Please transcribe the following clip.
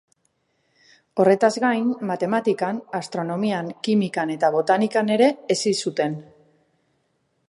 Horretaz gain, matematikan, astronomian, kimikan eta botanikan ere hezi zuten.